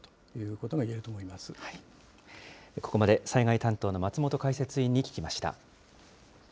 ここまで災害担当の松本解説委員に聞きました。